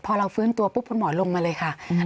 พอเราฟื้นตัวปุ๊บคุณหมอลงมาเลยค่ะ